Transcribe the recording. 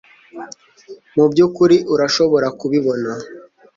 mubyukuri urashobora kubibona